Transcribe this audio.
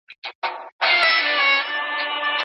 څوک نسي کولی ځان کاندید کړي؟